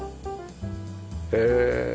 へえ。